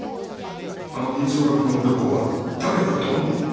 あの人相書きの男は誰だと思うんだ？